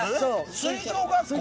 水上学校？